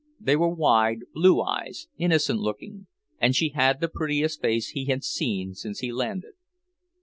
They were wide, blue eyes, innocent looking, and she had the prettiest face he had seen since he landed.